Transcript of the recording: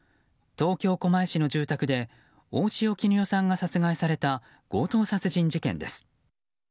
東京・狛江市の住宅で大塩衣與さんが殺害された強盗殺人事件です。